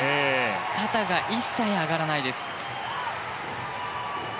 肩が一切上がらないです。